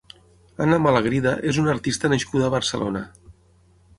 Anna Malagrida és una artista nascuda a Barcelona.